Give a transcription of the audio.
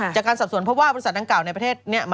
จากการสอบสวนเพราะว่าบริษัทดังกล่าวในประเทศเนี่ย